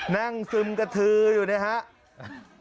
ซึมกระทืออยู่นะครับ